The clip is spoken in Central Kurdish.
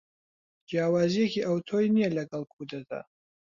جیاوازیەکی ئەتۆی نییە لەگەل کودەتا.